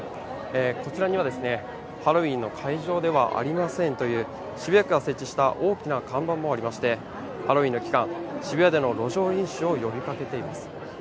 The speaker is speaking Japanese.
こちらにはですね、ハロウィーンの会場ではありませんという、渋谷区が設置した大きな看板もありまして、ハロウィーンの期間、渋谷での路上飲酒を呼びかけています。